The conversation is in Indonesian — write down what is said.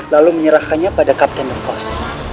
lalu menyerahkannya pada kapten lepos